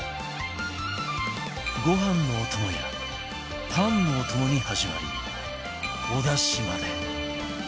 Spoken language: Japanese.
ご飯のお供やパンのお供に始まりお出汁まで